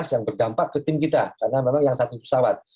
yang berdampak ke tim kita karena memang yang satu pesawat